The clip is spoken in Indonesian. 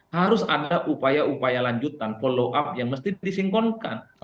harus ada upaya upaya lanjutan follow up yang mesti disinkronkan